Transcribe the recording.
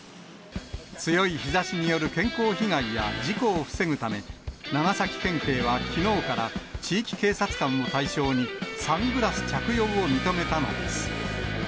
強い日ざしによる健康被害や事故を防ぐため、長崎県警はきのうから地域警察官を対象に、サングラス着用を認めたのです。